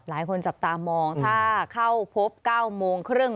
หลายคนจับตามองถ้าเข้าพบ๙โมงครึ่ง